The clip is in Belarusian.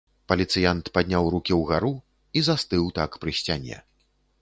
Паліцыянт падняў рукі ўгару і застыў так пры сцяне.